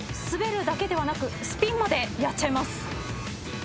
滑るだけではなくスピンまでやっちゃいます。